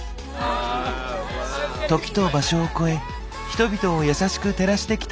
時と場所をこえ人々をやさしく照らしてきた花。